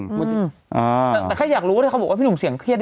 แต่แค่อยากรู้ที่เขาบอกว่าพี่หนุ่มเสียงเครียด